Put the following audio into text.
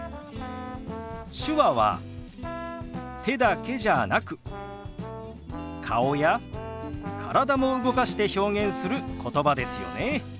手話は手だけじゃなく顔や体も動かして表現することばですよね。